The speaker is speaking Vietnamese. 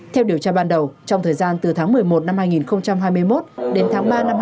theo điều tra ban đầu trong thời gian từ tháng một mươi một năm hai nghìn hai mươi một đến tháng ba năm hai nghìn hai mươi